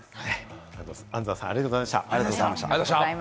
安蔵さん、ありがとうございました。